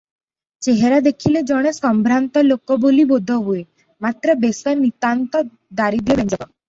ଚେହେରା ଦେଖିଲେ ଜଣେ ସମ୍ଭ୍ରାନ୍ତ ଲୋକ ବୋଲି ବୋଧ ହୁଏ; ମାତ୍ର ବେଶ ନିତାନ୍ତ ଦାରିଦ୍ର୍ୟବ୍ୟଞ୍ଜକ ।